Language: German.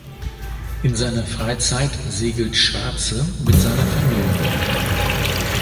In seiner Freizeit segelt Schwarze mit seiner Familie.